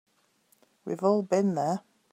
We've all been there.